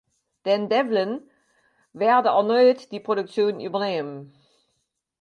Dean Devlin werde erneut die Produktion übernehmen.